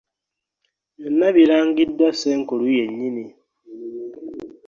Byonna birangiddwa Ssenkulu yennyini.